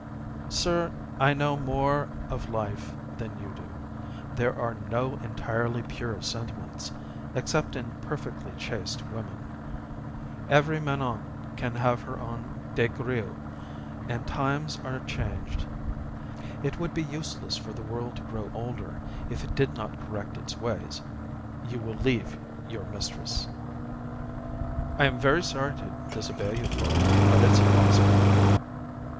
"Sir, I know more of life than you do. There are no entirely pure sentiments except in perfectly chaste women. Every Manon can have her own Des Grieux, and times are changed. It would be useless for the world to grow older if it did not correct its ways. You will leave your mistress." "I am very sorry to disobey you, father, but it is impossible."